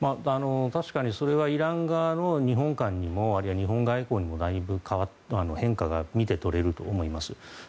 確かにそれはイラン側の日本観にも日本外交にもだいぶ変化が見て取れると思います。